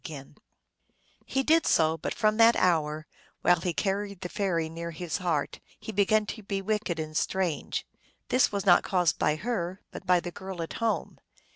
331 He did so, but from that hour, while he carried the fairy near his heart, he began to be wicked and strange. This was not caused by her, but by the girl at home.